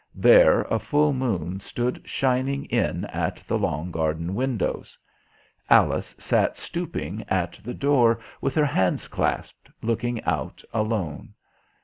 There a full moon stood shining in at the long garden windows. Alice sat stooping at the door, with her hands clasped, looking out, alone.